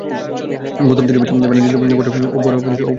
প্রথম তিনটি ম্যাচে ভেনাস জিতলেও পরে বড়র ওপর প্রতিষ্ঠা হয়েছে ছোটর রাজ।